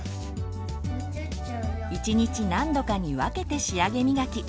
１日何度かに分けて仕上げみがき。